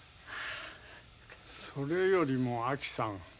それよりもあきさん。